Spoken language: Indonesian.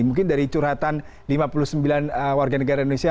mungkin dari curhatan lima puluh sembilan warga negara indonesia